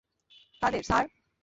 Quader, sir?